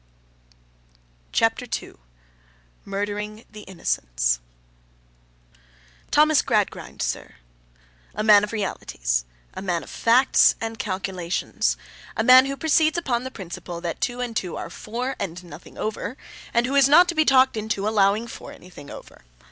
CHAPTER II MURDERING THE INNOCENTS THOMAS GRADGRIND, sir. A man of realities. A man of facts and calculations. A man who proceeds upon the principle that two and two are four, and nothing over, and who is not to be talked into allowing for anything over.